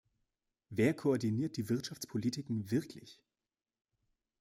Wer koordiniert die Wirtschaftspolitiken wirklich?